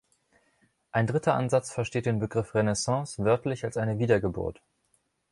Ein dritter Ansatz versteht den Begriff „Renaissance“ wörtlich als eine „Wiedergeburt“.